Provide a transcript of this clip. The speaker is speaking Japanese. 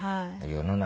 世の中